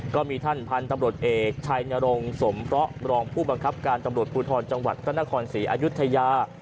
ก็มีท่านพันธุ์ตำรวจเอกชัยนรงสมเพราะรองผู้บังคับการตำรวจภูทรจังหวัดพระนครศรีอายุทยา